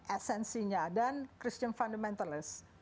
esensinya dan christian fundamentalist